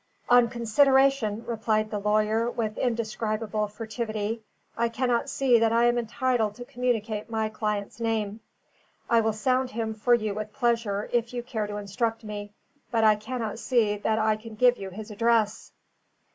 "On consideration," replied the lawyer, with indescribable furtivity, "I cannot see that I am entitled to communicate my client's name. I will sound him for you with pleasure, if you care to instruct me; but I cannot see that I can give you his address."